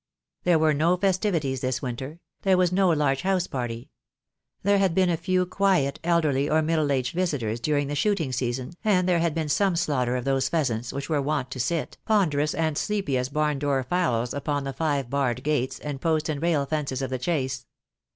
There were no festivities this winter; there was no large house party. There had been a few quiet elderly, or middle aged visitors during the shooting season, and there had been some slaughter of those pheasants which were wont to sit, ponderous and sleepy as barn door fowls, upon the five barred gates, and post and rail fences of the Chase.